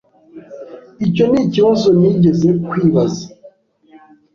Icyo nikibazo nigeze kwibaza.